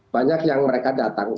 banyak yang mereka datang